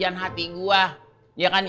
idaman hati gua hujan hati gua